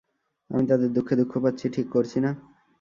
আমি তাদের দুঃখে দুঃখ পাচ্ছি, ঠিক করছি না?